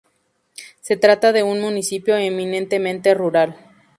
Se trata de un municipio eminentemente rural.